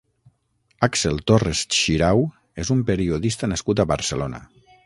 Àxel Torres Xirau és un periodista nascut a Barcelona.